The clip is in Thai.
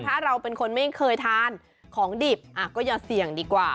ถ้าเราเป็นคนไม่เคยทานของดิบก็อย่าเสี่ยงดีกว่า